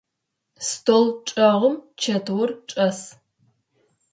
Стол чӏэгъым чэтыур чӏэс.